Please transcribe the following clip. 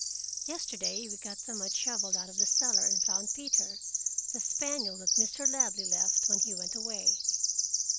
Yesterday we got the mud shoveled out of the cellar and found Peter, the spaniel that Mr. Ladley left when he "went away".